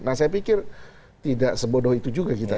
nah saya pikir tidak sebodoh itu juga kita